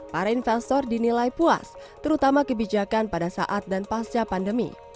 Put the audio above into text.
para investor dinilai puas terutama kebijakan pada saat dan pasca pandemi